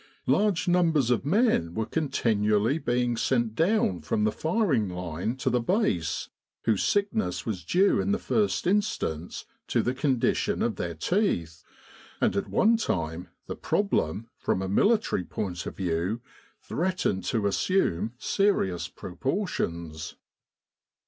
Large numbers of men were con tinually being sent down from the firing line to the Base, whose sickness was due in the first instance to 202 Army DentalfSurgery in Egypt the condition of their teeth; and at one time the problem, from a military point of view, threatened to assume serious proportions.